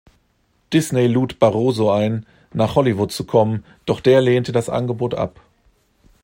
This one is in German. Disney lud Barroso ein, nach Hollywood zu kommen, doch der lehnte das Angebot ab.